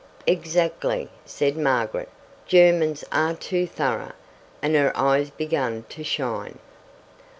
"Exactly," said Margaret; "Germans are too thorough." And her eyes began to shine.